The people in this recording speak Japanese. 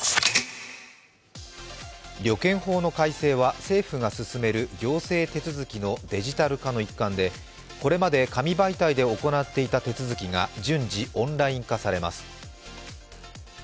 旅券法の改正は、政府が進める行政手続きのデジタル化の一環でこれまで紙媒体で行っていた手続きが順次、オンライン化されます。